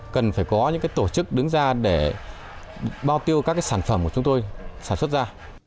cần phải có những tổ chức đứng ra để bao tiêu các sản phẩm của chúng tôi sản xuất ra